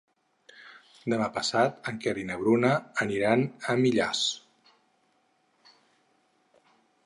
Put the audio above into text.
Demà passat en Quer i na Bruna aniran a Millars.